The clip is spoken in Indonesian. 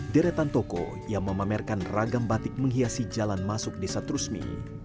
deretan toko yang memamerkan ragam batik menghiasi jalan masuk desa trusmi